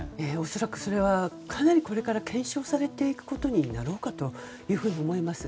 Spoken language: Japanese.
恐らく、それはかなりこれから検証されていくことになろうかと思います。